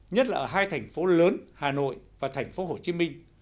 nhất là ở hai thành phố lớn hà nội và thành phố hồ chí minh